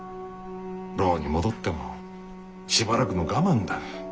牢に戻ってもしばらくの我慢だ。